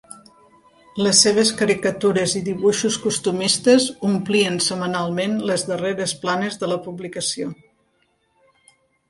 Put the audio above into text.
Les seves caricatures i dibuixos costumistes omplien setmanalment les darreres planes de la publicació.